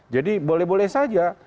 jadi boleh boleh saja